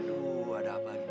aduh ada apaan